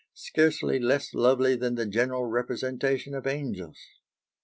scarcely less lovely than the general representation of angels."